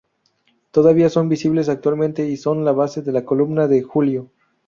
Todavía son visibles actualmente y son la base de la columna de Julio.